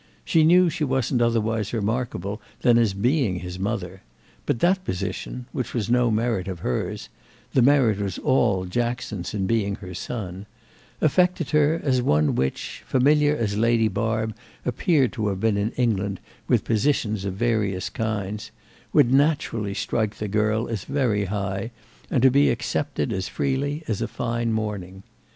She knew she wasn't otherwise remarkable than as being his mother; but that position, which was no merit of hers—the merit was all Jackson's in being her son—affected her as one which, familiar as Lady Barb appeared to have been in England with positions of various kinds, would naturally strike the girl as very high and to be accepted as freely as a fine morning.